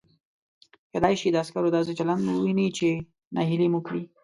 کېدای شي د عسکرو داسې چلند ووینئ چې نهیلي مو کړي.